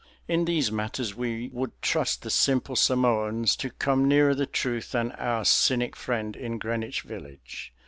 In these matters we would trust the simple Samoans to come nearer the truth than our cynic friend in Greenwich Village.